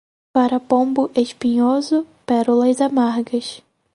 Para pombo espinhoso, pérolas amargas.